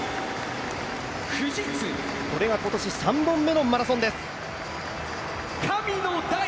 これが今年３本目のマラソンです。